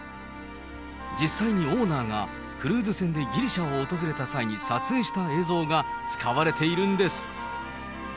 実際にオーナーがクルーズ船でギリシャを訪れた際に撮影した映像が使われているんです。